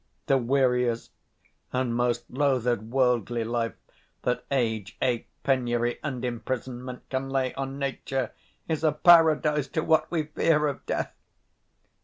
125 The weariest and most loathed worldly life That age, ache, penury, and imprisonment Can lay on nature is a paradise To what we fear of death.